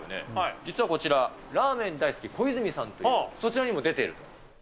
実はこちら、ラーメン大好き小泉さんという、そちらにも出ている。